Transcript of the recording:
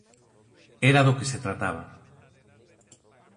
Era do que se trataba.